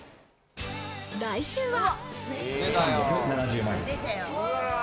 来週は。